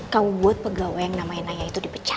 kamu buat pegawai yang namanya naya itu dipecah